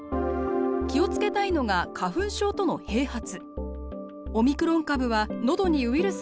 気を付けたいのが花粉症との併発。